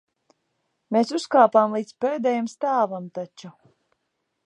Mēs uzkāpām līdz pēdējam stāvam taču.